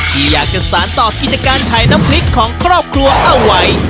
ที่อยากจะสารต่อกิจการขายน้ำพริกของครอบครัวเอาไว้